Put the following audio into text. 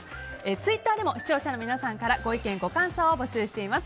ツイッターでも視聴者の皆さんからご意見、ご感想を募集しています。